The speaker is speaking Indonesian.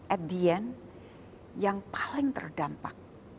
at the end yang paling terdampak